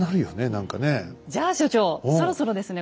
じゃあ所長そろそろですね